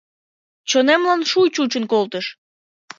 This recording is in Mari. Чонемлан шуй чучын колтыш.